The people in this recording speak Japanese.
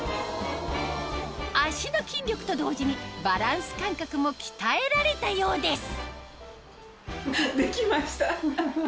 足の筋力と同時にバランス感覚も鍛えられたようです